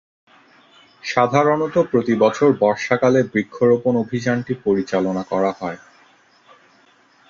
সাধারণত প্রতিবছর বর্ষাকালে বৃক্ষরোপণ অভিযানটি পরিচালনা করা হয়।